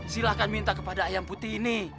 silahkan minta kepada ayam putih ini